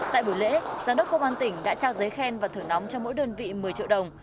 tại buổi lễ giám đốc công an tỉnh đã trao giấy khen và thưởng nóng cho mỗi đơn vị một mươi triệu đồng